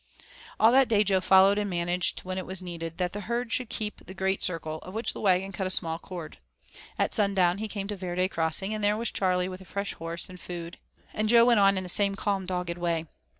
All that day Jo followed, and managed, when it was needed, that the herd should keep the great circle, of which the wagon cut a small chord. At sundown he came to Verde Crossing, and there was Charley with a fresh horse and food, and Jo went on in the same calm, dogged way.